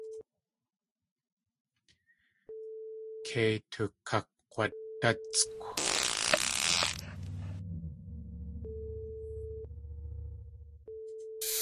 Kei tukakg̲wadáskw.